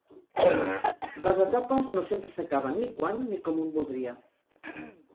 Les etapes no sempre s'acaben ni quan ni com un voldria.